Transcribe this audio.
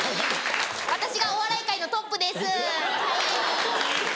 私がお笑い界のトップですはい。